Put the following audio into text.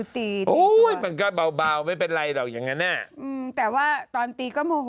เธอเคยมัดไหม